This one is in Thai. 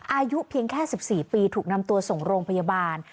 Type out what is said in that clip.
อายุเพียงแค่๑๔ปีถูกนำตัวส่งโรงพยาบาล